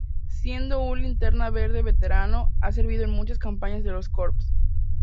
Siendo un Linterna Verde veterano, ha servido en muchas campañas de los Corps.